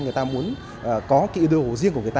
người ta muốn có cái ý đồ riêng của người ta